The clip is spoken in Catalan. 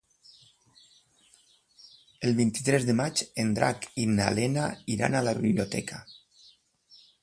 El vint-i-tres de maig en Drac i na Lena iran a la biblioteca.